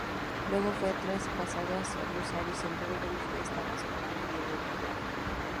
Luego fue traspasado a Rosario Central, donde ya estaba su hermano Diego Villagra.